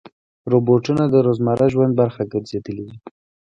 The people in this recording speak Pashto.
روبوټونه د روزمره ژوند برخه ګرځېدلي دي.